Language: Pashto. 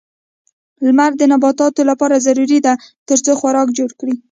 لمر د نباتاتو لپاره ضروري ده ترڅو خوراک جوړ کړي.